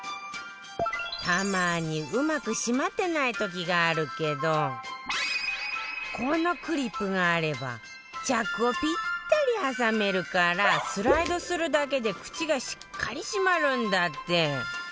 たまにうまく閉まってない時があるけどこのクリップがあればチャックをピッタリ挟めるからスライドするだけで口がしっかり閉まるんだって